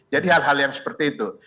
jadi hal hal yang seperti itu